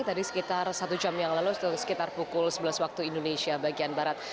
tadi sekitar satu jam yang lalu sekitar pukul sebelas waktu indonesia bagian barat